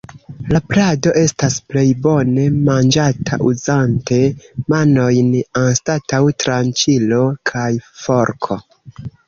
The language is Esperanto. La plado estas plej bone manĝata uzante manojn anstataŭ tranĉilo kaj forko.